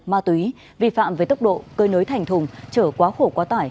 ma túy vi phạm về tốc độ cơi nới thành thùng trở quá khổ quá tải